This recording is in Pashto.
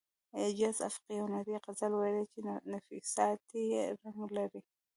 اعجاز افق یو نوی غزل ویلی چې نفسیاتي رنګ لري